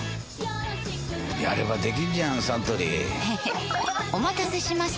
やればできんじゃんサントリーへへっお待たせしました！